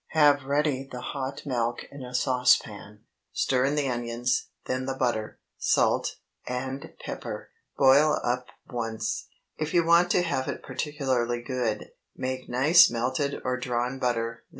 Have ready the hot milk in a saucepan; stir in the onions, then the butter, salt, and pepper. Boil up once. If you want to have it particularly good, make nice melted or drawn butter (No.